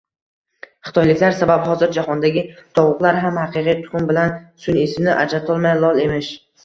Xitoyliklar sabab hozir jahondagi tovuqlar ham haqiqiy tuxum bilan sunʼiysini ajratolmay lol emish.